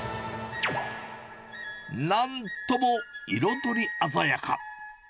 なんとも彩り鮮やか。